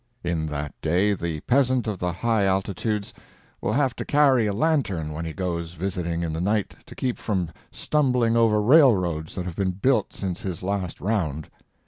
In that day the peasant of the high altitudes will have to carry a lantern when he goes visiting in the night to keep from stumbling over railroads that have been built since his last round.